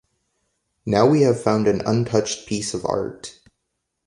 Now we have found an untouched piece of art.